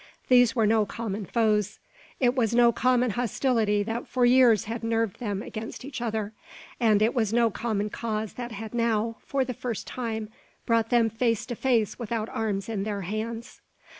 These were no common foes; it was no common hostility that for years had nerved them against each other; and it was no common cause that had now, for the first time, brought them face to face without arms in their hands.